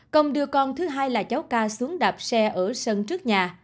công đưa con thứ hai là cháu ca xuống đạp xe ở sân trước nhà